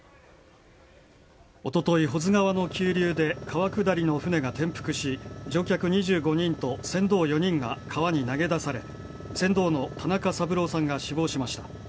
おととい、保津川の急流で川下りの舟が転覆し乗客２５人と船頭４人が川に投げ出され船頭の田中三郎さんが死亡しました。